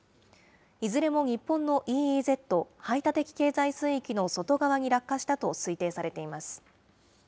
いずれも日本のＥＥＺ・排他的経済水域の外側に落下したと推定されています。